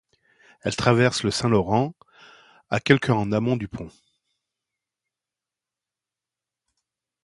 Elle traverse le Saint-Laurent, à quelque en amont du pont.